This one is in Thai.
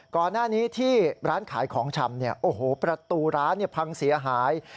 ก่อนหน้านี้ที่ร้านขายของชำเนี่ยโอ้โหประตูร้านพังเสียหาย